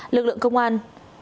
lực lượng công an